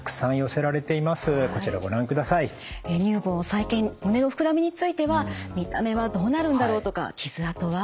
再建胸の膨らみについては「見た目はどうなるんだろう？」とか「傷痕は？」